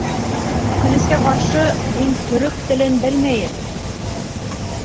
Үкенескә ҡаршы, мин төрөк телен белмәйем